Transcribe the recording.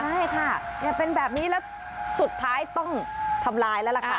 ใช่ค่ะเป็นแบบนี้แล้วสุดท้ายต้องทำลายแล้วล่ะค่ะ